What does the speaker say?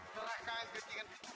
pindahkan kigantungan gavek